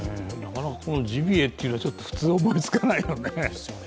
ジビエというのは普通、思いつかないよね。